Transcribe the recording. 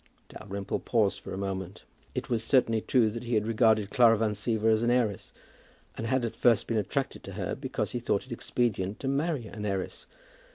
Dalrymple paused for a moment. It was certainly true that he had regarded Clara Van Siever as an heiress, and had at first been attracted to her because he thought it expedient to marry an heiress.